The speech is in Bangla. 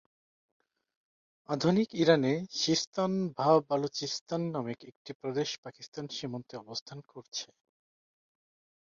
আধুনিক ইরানে সিস্তান ভা বালুচিস্তান নামে একটি প্রদেশ পাকিস্তান সীমান্তে অবস্থান করছে।